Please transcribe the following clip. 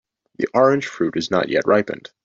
The orange fruit is not yet ripened.